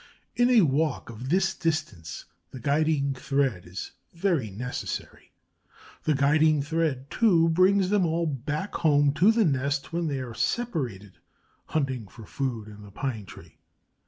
In a walk of this distance, the guiding thread is very necessary. The guiding thread, too, brings them all back home to the nest when they are separated, hunting for food in the pine tree.